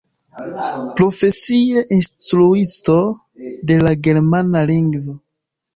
Profesie instruisto de la germana lingvo.